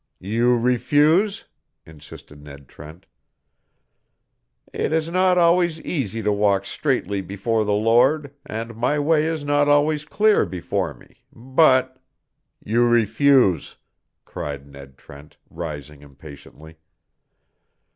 "You refuse?" insisted Ned Trent. "It is not always easy to walk straightly before the Lord, and my way is not always clear before me, but " "You refuse!" cried Ned Trent, rising impatiently.